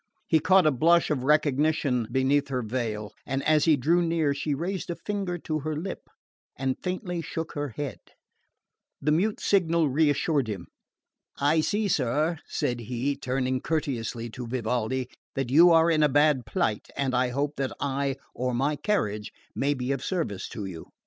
He caught a blush of recognition beneath her veil; and as he drew near she raised a finger to her lip and faintly shook her head. The mute signal reassured him. "I see, sir," said he, turning courteously to Vivaldi, "that you are in a bad plight, and I hope that I or my carriage may be of service to you."